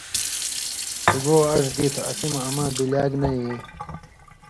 سُگاؤ اڙوۡ دی تُھو، اسی مہ اما بلیاگ نَیں یی!